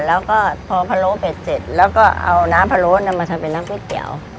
แล้วก็พอพะโล้เป็ดเสร็จแล้วก็เอาน้ำพะโล้นำมาทำเป็นน้ำก๋วยเตี๋ยว